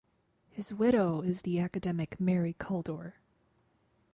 His widow is the academic Mary Kaldor.